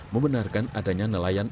membenarkan adanya nelayan